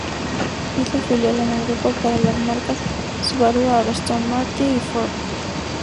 Es la filial en Europa para las marcas Subaru, Aston Martin y Ford.